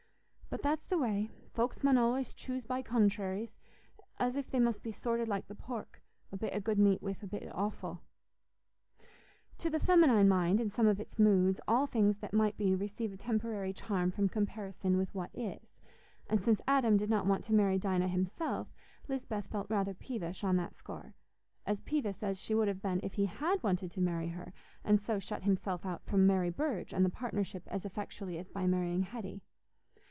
But that's the way; folks mun allays choose by contrairies, as if they must be sorted like the pork—a bit o' good meat wi' a bit o' offal." To the feminine mind in some of its moods, all things that might be receive a temporary charm from comparison with what is; and since Adam did not want to marry Dinah himself, Lisbeth felt rather peevish on that score—as peevish as she would have been if he had wanted to marry her, and so shut himself out from Mary Burge and the partnership as effectually as by marrying Hetty.